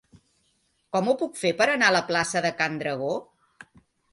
Com ho puc fer per anar a la plaça de Can Dragó?